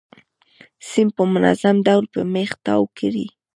سیم په منظم ډول په میخ تاو کړئ.